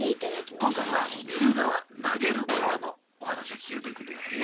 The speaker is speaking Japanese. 今回は見る側投げる側のお話が聞けるということでございます。